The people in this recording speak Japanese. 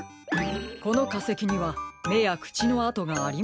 このかせきにはめやくちのあとがありませんね。